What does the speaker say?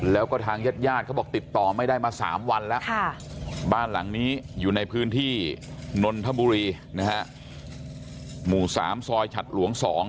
แล้วก็ทางแยศแยศบอกติดต่อไม่ได้มา๓วันแล้ว